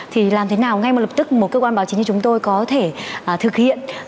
thì làm thế nào ngay lập tức một cơ quan báo chí như chúng tôi có thể thực hiện